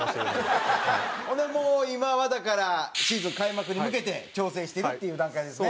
ほんでもう今はだからシーズン開幕に向けて調整してるっていう段階ですね。